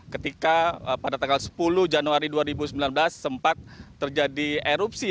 ketika pada tanggal sepuluh januari dua ribu sembilan belas sempat terjadi erupsi